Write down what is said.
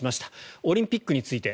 オリンピックについて。